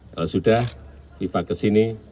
kalau sudah fifa ke sini